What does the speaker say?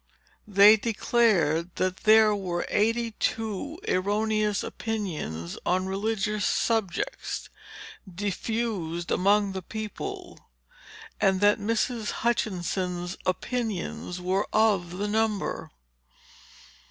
They declared that there were eighty two erroneous opinions on religious subjects, diffused among the people, and that Mrs. Hutchinson's opinions were of the number."